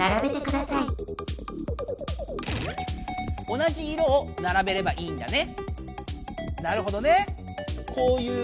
同じ色をならべればいいんだね。